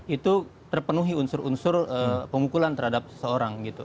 itu terpenuhi unsur unsur pemukulan terhadap seseorang